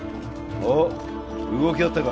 おっ動きあったか？